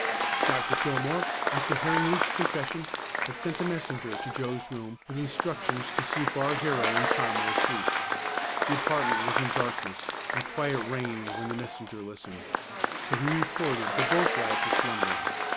Dr. Fillmore, after hearing Luke's confession, had sent a messenger to Joe's room with instructions to see if our hero and Tom were asleep. The apartment was in darkness and quiet reigned when the messenger listened, so he reported that both lads were slumbering.